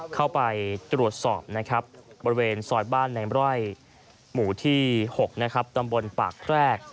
เข้าไปตรวจสอบนะครับบริเวณซอยบ้านในมร่อยหมู่ที่๖ตำบลปากแพรก